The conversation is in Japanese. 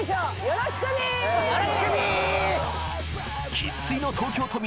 生粋の東京都民